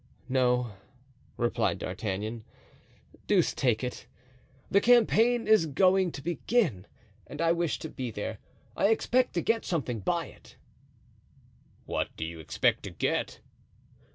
"No!" replied D'Artagnan, "deuce take it, the campaign is going to begin; I wish to be there, I expect to get something by it." "What do you expect to get?"